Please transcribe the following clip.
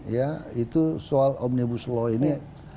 ya itu soal omnibus law ini